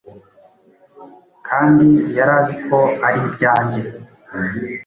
Kandi yari azi ko ari ibyanjye,